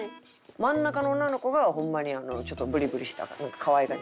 真ん中の女の子がホンマにちょっとブリブリしたかわいらしい。